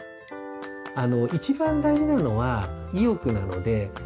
あの一番大事なのは意欲なので。